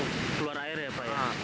keluar air ya pak ya